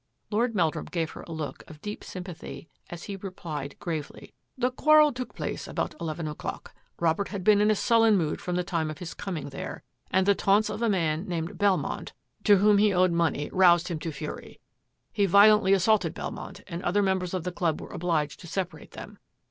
Lord Meldrum gave her a look of deep sympathy as he replied gravely, " The quarrel took place about eleven o'clock. Robert had been in a sullen mood from the time of his coming there, and the taunts of a man named Belmont, to whom he owed 8« THAT AFFAIR AT THE MANOR money, roused him to fury. He violently assaulted Belmont, and other members of the club were obliged to separate them.